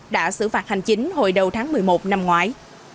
đã xử phạt hành chính hồi đầu tháng một mươi một năm ngoái